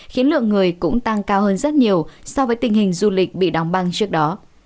khiến lượng người cũng tăng cao hơn rất nhiều so với tình hình du lịch bị đóng băng trước đó